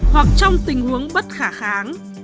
hoặc trong tình huống bất khả kháng